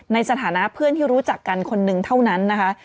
ในฐานะเพื่อนที่รู้จักกันคนหนึ่งเท่านั้นนะคะ